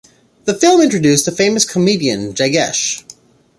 The film introduced a famous comedian Jaggesh.